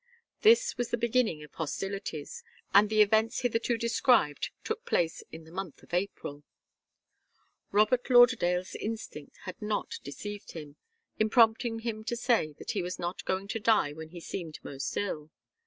This was the beginning of hostilities, and the events hitherto described took place in the month of April. Robert Lauderdale's instinct had not deceived him, in prompting him to say that he was not going to die when he seemed most ill.